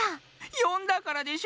よんだからでしょ！